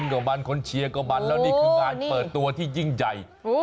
ก็มันคนเชียร์ก็มันแล้วนี่คืองานเปิดตัวที่ยิ่งใหญ่